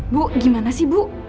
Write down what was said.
bu gimana sih bu